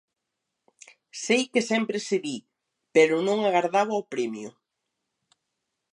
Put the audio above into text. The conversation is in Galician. Sei que sempre se di, pero non agardaba o premio.